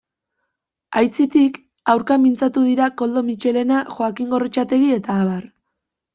Aitzitik, aurka mintzatu dira Koldo Mitxelena, Joakin Gorrotxategi eta abar.